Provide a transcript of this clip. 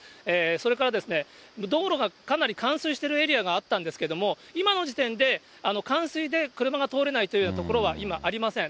それからですね、道路がかなり冠水してるエリアがあったんですけれども、今の時点で、冠水で車が通れないという所は今ありません。